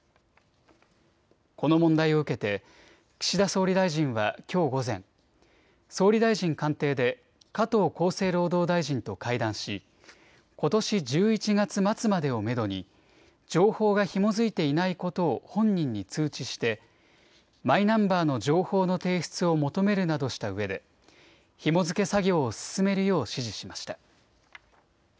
この問題を受けて岸田総理大臣はきょう午前、総理大臣官邸で加藤厚生労働大臣と会談しことし１１月末までをめどに情報がひも付いていないことを本人に通知して、マイナンバーの情報の提出を求めるなどしたうえでひも付け作業を進めるよう指示しました。